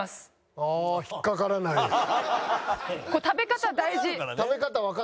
食べ方大事！